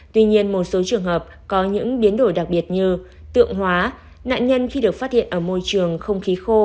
tuy nhiên một số trường hợp có những biến đổi đặc biệt như tượng hóa nạn nhân khi được phát hiện ở môi trường không khí khô